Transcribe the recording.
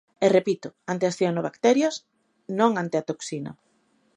E repito: ante as cianobacterias, non ante a toxina.